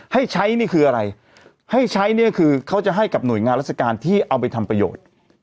ให้ใช้นี่คืออะไรให้ใช้เนี่ยคือเขาจะให้กับหน่วยงานราชการที่เอาไปทำประโยชน์